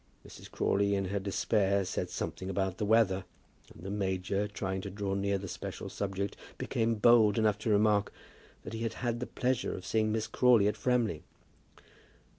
Mrs. Crawley, in her despair, said something about the weather; and the major, trying to draw near the special subject, became bold enough to remark "that he had had the pleasure of seeing Miss Crawley at Framley."